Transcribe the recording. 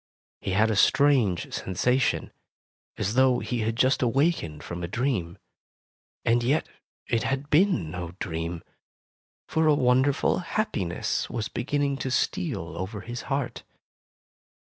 He had a strange sensation, as though he had just awakened from a dream. And yet it had been no dream, for a wonderful happiness was beginning to steal over his heart.